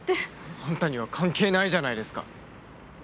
あなたには関係ないじゃないですか。